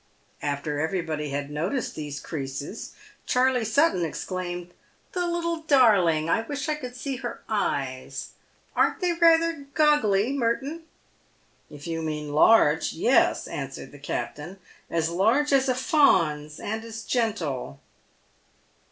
After everybody had noticed these creases, Charley Sutton ex claimed, " The little darling ! I wish I could see her eyes. Ain't they rather goggly, Merton ?"" If you mean large — yes," answered the captain; " as large as a fawn's, and as gentle."